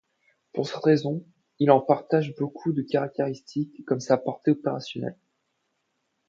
Pour cette raison, il en partage beaucoup de caractéristiques, comme sa portée opérationnelle.